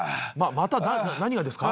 「まただ？」何がですか？